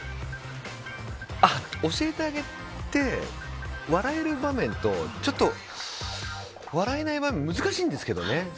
教えてあげて、笑える場面とちょっと笑えない場面難しいんですけどね。